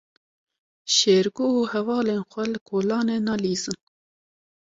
Şêrgo û hevalên xwe li kolanê nalîzin.